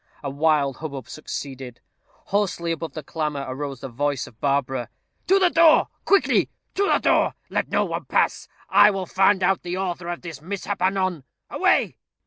A wild hubbub succeeded. Hoarsely above the clamor arose the voice of Barbara. "To the door, quickly! to the door! Let no one pass, I will find out the author of this mishap anon. Away!"